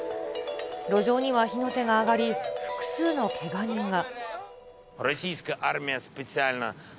路上には火の手が上がり、複数のけが人が。